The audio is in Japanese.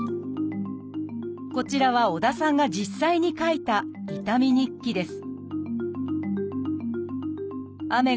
こちらは織田さんが実際に書いた「痛み日記」です